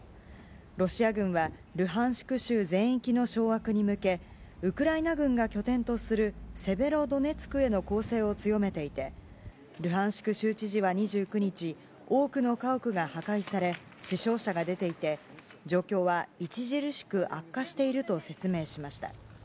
ロシア軍は、ルハンシク州全域の掌握に向け、ウクライナ軍が拠点とするセベロドネツクへの攻勢を強めていて、ルハンシク州知事は２９日、多くの家屋が破壊され、死傷者が出ていて、状況は著しく悪化していると説明しました。